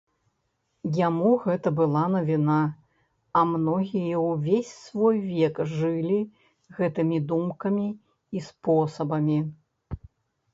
Яму гэта была навіна, а многія ўвесь свой век жылі гэтымі думкамі і спосабамі.